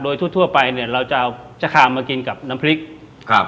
โดยทั่วทั่วไปเนี่ยเราจะเอาชะคามมากินกับน้ำพริกครับ